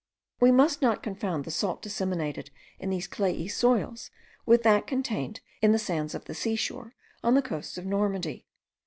We must not confound the salt disseminated in these clayey soils with that contained in the sands of the seashore, on the coasts of Normandy.